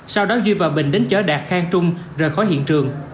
sau đó duy và bình đến chở đạt khang trung rời khỏi hiện trường